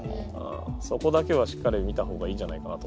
そこだけはしっかり見た方がいいんじゃないかなと思います。